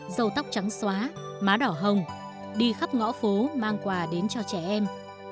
dầu tóc trắng xóa má đỏ hồng đi khắp ngõ phố mang quà đến cho trẻ em